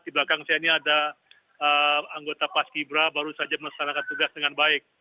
di belakang sini ada anggota pas kibra baru saja menelanakan tugas dengan baik